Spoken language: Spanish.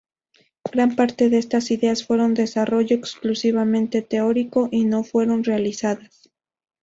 Gran parte de estas ideas fueron desarrollo exclusivamente teórico y no fueron realizadas.